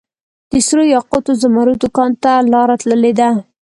دسرو یاقوتو ، زمردو کان ته لار تللي ده